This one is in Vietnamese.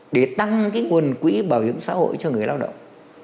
để tăng cái nguồn quỹ bảo hiểm xã hội cho người lao động